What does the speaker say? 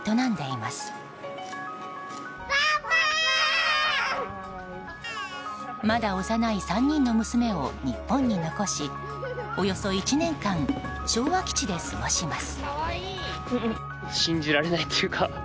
まだ幼い３人の娘を日本に残しおよそ１年間昭和基地で過ごします。